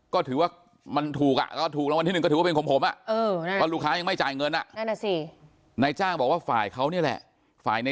ก็ถือว่ามันถูกอ่ะถูกรางวัลที่หนึ่งก็ถือว่าเป็นขมผมอ่ะ